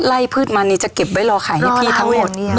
พืชมานี่จะเก็บไว้รอขายให้พี่ทั้งหมด